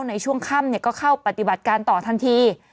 ในช่วงค่ำก็เข้าปฏิบัติการต่อทันที